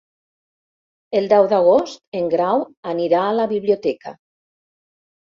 El deu d'agost en Grau anirà a la biblioteca.